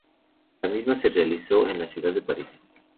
La misma se realizó en la ciudad de París.